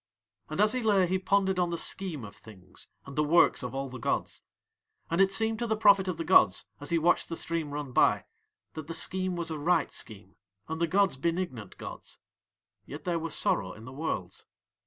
And as he lay he pondered on the Scheme of Things and the works of all the gods. And it seemed to the prophet of the gods as he watched the stream run by that the Scheme was a right scheme and the gods benignant gods; yet there was sorrow in the Worlds.